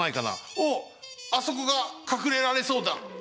おっあそこがかくれられそうだ。